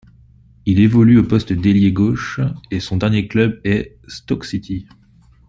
Il évolue au poste d'ailier gauche et son dernier club est Stoke City.